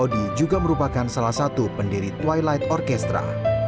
odi juga merupakan salah satu pendiri twilight orkestra